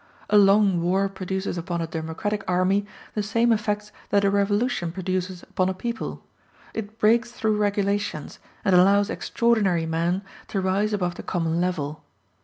A long war produces upon a democratic army the same effects that a revolution produces upon a people; it breaks through regulations, and allows extraordinary men to rise above the common level.